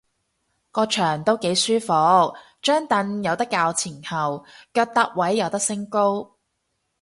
個場都幾舒服，張櫈有得較前後，腳踏位有得升高